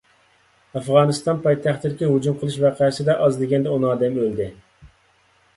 ئافغانىستان پايتەختىدىكى ھۇجۇم قىلىش ۋەقەسىدە ئاز دېگەندە ئون ئادەم ئۆلدى.